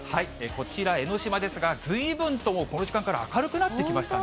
こちら、江の島ですが、ずいぶんともう、この時間から明るくなってきましたね。